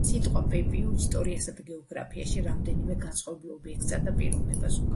სიტყვა „პეპიუ“ ისტორიასა და გეოგრაფიაში რამდენიმე განსხვავებულ ობიექტსა და პიროვნებას უკავშირდება